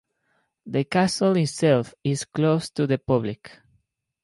The castle itself is closed to the public.